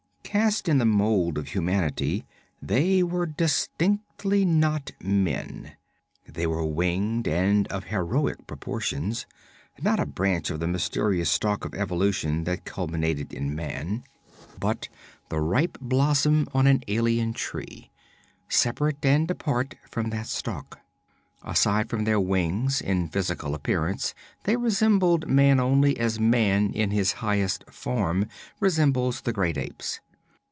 Cast in the mold of humanity, they were distinctly not men. They were winged and of heroic proportions; not a branch on the mysterious stalk of evolution that culminated in man, but the ripe blossom on an alien tree, separate and apart from that stalk. Aside from their wings, in physical appearance they resembled man only as man in his highest form resembles the great apes.